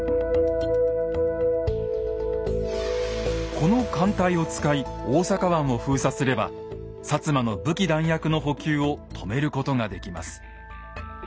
この艦隊を使い大阪湾を封鎖すれば摩の武器弾薬の補給を止めることができます。